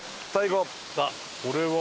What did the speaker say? これは。